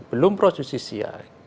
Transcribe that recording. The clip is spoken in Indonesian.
belum prosesnya siap